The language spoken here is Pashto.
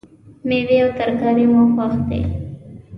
میوې او ترکاری مو خوښ دي